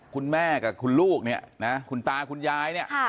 คุณแม่กับคุณลูกเนี่ยนะคุณตาคุณยายเนี่ย